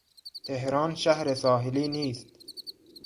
تهران شهر ساحلی نیست.